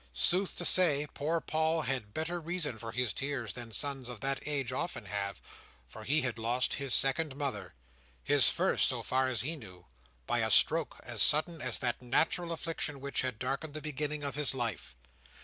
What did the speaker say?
Sooth to say, poor Paul had better reason for his tears than sons of that age often have, for he had lost his second mother—his first, so far as he knew—by a stroke as sudden as that natural affliction which had darkened the beginning of his life.